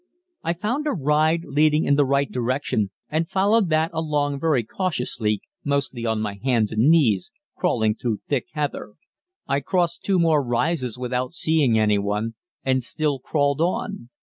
I found a ride leading in the right direction and followed that along very cautiously, mostly on my hands and knees, crawling through thick heather. I crossed two more rises without seeing anyone, and still crawled on.